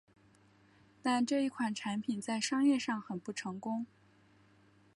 但这一款产品在商业上很不成功。